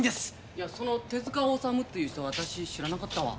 いやその手治虫という人私知らなかったわ。